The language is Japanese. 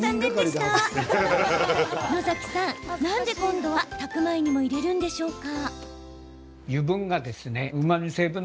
野崎さん、なんで今度は炊く前にも入れるんでしょうか。